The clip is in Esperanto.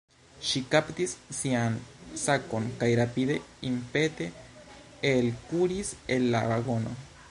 Ŝi kaptis sian sakon kaj rapide impete elkuris el la vagono.